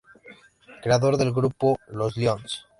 Creador del grupo Los Lyons.